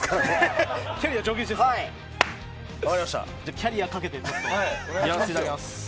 キャリアをかけてやらせていただきます。